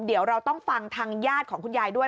เดี๋ยวเราต้องฟังทางญาติของคุณยายด้วย